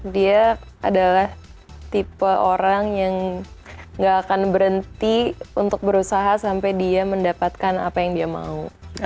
dia adalah tipe orang yang gak akan berhenti untuk berusaha sampai dia mendapatkan apa yang dia mau